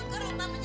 apa yang rusak bang